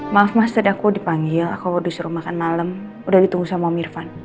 maaf mas tadi aku dipanggil aku disuruh makan malam udah ditunggu sama mirfan